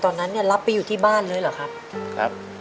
ตอนนั้นเนี่ยรับไปอยู่ที่บ้านเลยเหรอครับอเจมส์ครับ